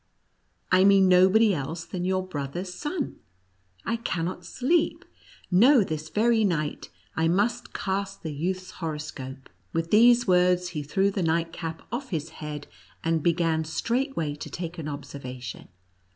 I mean nobody else than your bro ther's son. I cannot sleep ; no, this very night I must cast the youth's horoscope." "With these words, he threw the night cap off his head, and began straightway to take an observation.